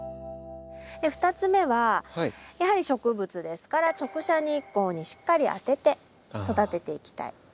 ２つ目はやはり植物ですから直射日光にしっかり当てて育てていきたい。